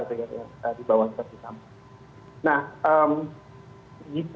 itu yang dibawah tersangka